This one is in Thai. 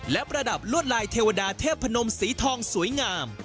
และประดับลวดลายเทวดาเทพนมสีทองสวยงาม